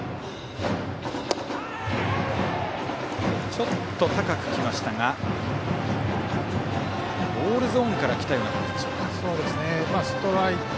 ちょっと高く来ましたがボールゾーンから来たような感じでしょうか。